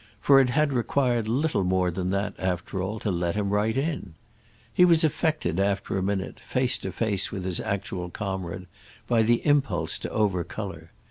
—for it had required little more than that, after all, to let him right in. He was affected after a minute, face to face with his actual comrade, by the impulse to overcolour.